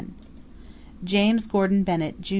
James Gordon Bennett, Jr.